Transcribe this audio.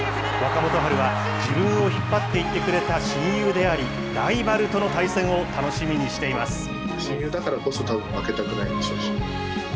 若元春は自分を引っ張っていってくれた親友であり、ライバルとの対戦を楽しみにしています。